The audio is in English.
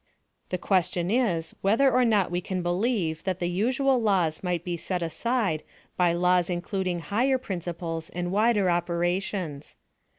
The question is whether or not we can believe that the usual laws might be set aside by laws including higher principles and wider operations.